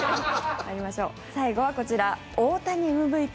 最後はこちら大谷ＭＶＰ！